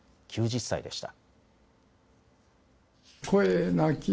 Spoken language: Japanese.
９０歳でした。